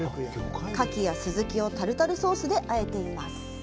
牡蠣やスズキをタルタルソースであえています。